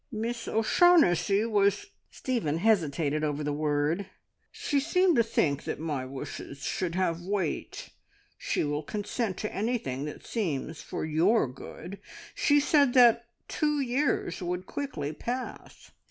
"Miss O'Shaughnessy was " Stephen hesitated over the word "she seemed to think that my wishes should have weight. She will consent to anything that seems for your good. She said that two years would quickly pass."